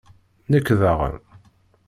Nekk daɣen.